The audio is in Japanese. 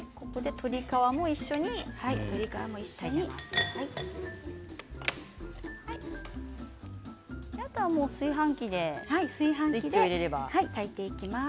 鶏皮も一緒に炊きます。